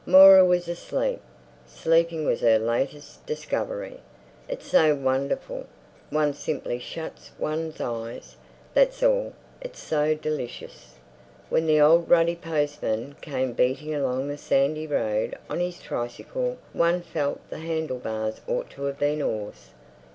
Moira was asleep. Sleeping was her latest discovery. "It's so wonderful. One simply shuts one's eyes, that's all. It's so delicious." When the old ruddy postman came beating along the sandy road on his tricycle one felt the handle bars ought to have been oars.